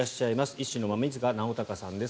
医師の馬見塚尚孝さんです。